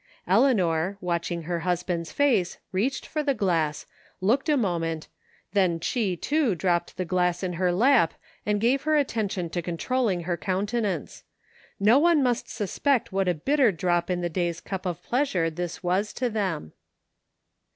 Eleanor, watching her husband's face, reached for the glass, looked a moment, then she too dropped the glass in her lap and gave her attention to controlling her countenance. No one must suspect what a bitter drop in the day's cup of pleasure this was to them.